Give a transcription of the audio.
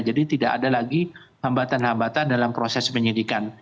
jadi tidak ada lagi hambatan hambatan dalam proses menyidikan